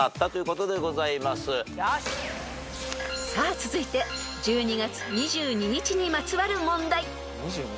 続いて１２月２２日にまつわる問題］